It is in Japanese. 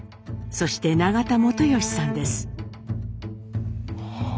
そして永田元良さんです。